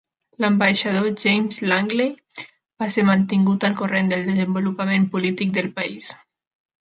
L'ambaixador James Langley va ser mantingut al corrent del desenvolupament polític del país.